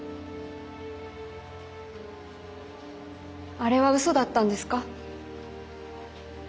あれはうそだったんですか？